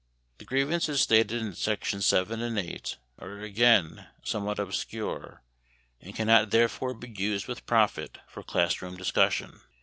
The grievances stated in Sections 7 and 8 are again somewhat obscure and cannot therefore be used with profit for class room discussion.